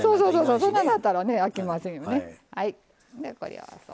そんなんだったらいけませんよね。